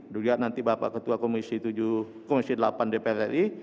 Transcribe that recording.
juga nanti bapak ketua komisi delapan dpr ri